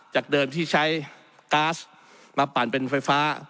จากเดิมที่ใช้ก๊าซมาปั่นเป็นไฟฟ้า